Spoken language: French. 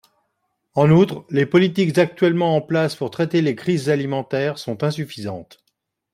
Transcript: En outre, les politiques actuellement en place pour traiter les crises alimentaires sont insuffisantes.